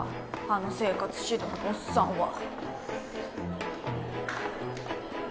あの生活指導のおっさんは。